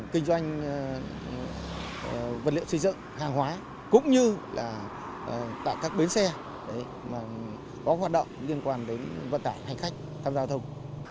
kinh doanh vật liệu xây dựng hàng hóa cũng như là tại các bến xe có hoạt động liên quan đến vận tải hành khách tham gia giao thông